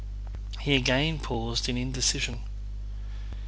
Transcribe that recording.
He again paused in indecision.